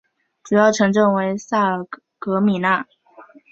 主要城镇为萨尔格米讷。